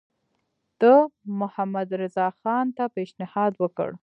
ده محمدرضاخان ته پېشنهاد وکړ.